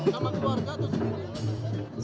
sama keluarga atau semua